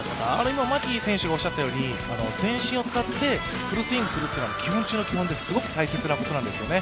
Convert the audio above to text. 今、牧選手がおっしゃったように全身を使ってフルスイングするというのは基本中の基本ですごく大切なことなんですよね。